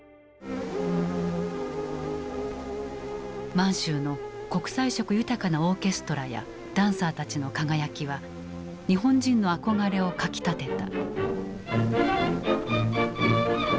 満州の国際色豊かなオーケストラやダンサーたちの輝きは日本人の憧れをかきたてた。